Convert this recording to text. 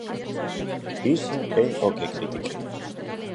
Iso é o que critiquei.